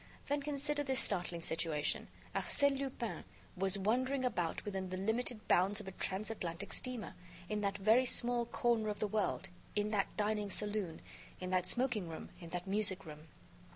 Then consider this startling situation: Arsène Lupin was wandering about within the limited bounds of a transatlantic steamer; in that very small corner of the world, in that dining saloon, in that smoking room, in that music room!